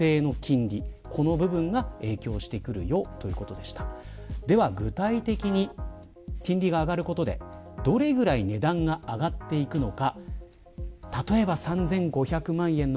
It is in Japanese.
では、具体的に金利が上がることでどれぐらい値段が上がっていくのか。